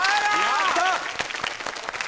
やった！